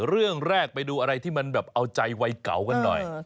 เรื่องแรกไปดูอะไรที่มันแบบเอาใจวัยเก่ากันหน่อย